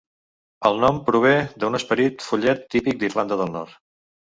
El nom prové d'un esperit follet típic d'Irlanda del Nord.